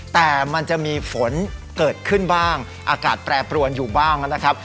แต่มันจะมีฝนเกิดขึ้นบ้างอากาศแปรปรวนอยู่บ้างนะครับ